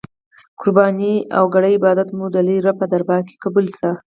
قربانې او کړی عبادات مو د لوی رب په دربار کی قبول شه.